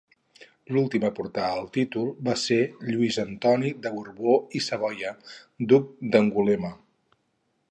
L'últim a portar el títol va ser Lluís Antoni de Borbó i Savoia, duc d'Angulema.